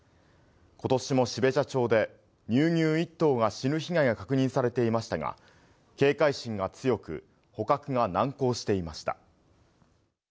ことしも標茶町で、乳牛１頭が死ぬ被害が確認されていましたが、警戒心が強く、捕獲が難航していました。